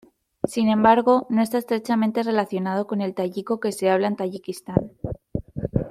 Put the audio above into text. Sin embargo, no está estrechamente relacionado con el tayiko que se habla en Tayikistán.